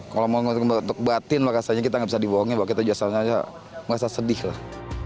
kalau ngomong untuk batin rasanya kita nggak bisa dibohongi bahwa kita jasa saja merasa sedih lah